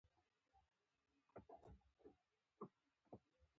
روښانه ده چې هغوی د ساتلو لپاره پیسې نه ساتي